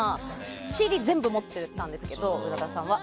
ＣＤ全部持ってたんですけど宇多田さんは。